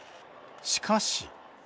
しかし。